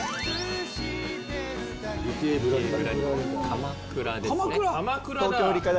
鎌倉ですね。